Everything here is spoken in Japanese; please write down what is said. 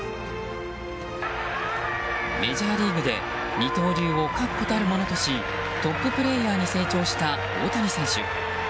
メジャーリーグで二刀流を確固たるものとしトッププレーヤーに成長した大谷選手。